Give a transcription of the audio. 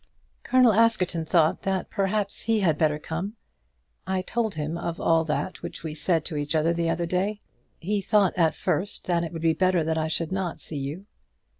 "Colonel Askerton thought that perhaps he had better come. I told him of all that which we said to each other the other day. He thought at first that it would be better that I should not see you."